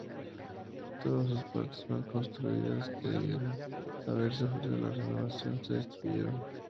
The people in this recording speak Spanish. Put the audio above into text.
Todas sus partes mal construidas, que debían haber sufrido la renovación, se destruyeron.